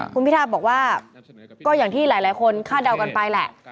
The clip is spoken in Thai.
คุณพิทาบอกว่าก็อย่างที่หลายคนคาดเดากันไปแหละ